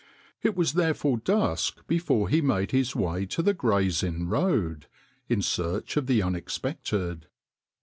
It was therefore dusk before he made his way to the Gray's Inn Road in search of the unexpected.